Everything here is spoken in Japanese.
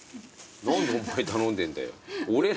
何でお前頼んでんだよ。